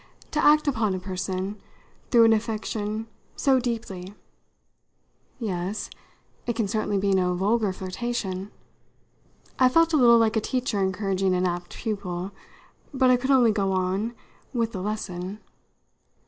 to act upon a person, through an affection, so deeply." "Yes it can certainly be no vulgar flirtation." I felt a little like a teacher encouraging an apt pupil; but I could only go on with the lesson.